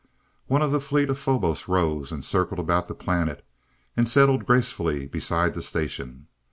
One of the fleet of Phobos rose, and circled about the planet, and settled gracefully beside the station.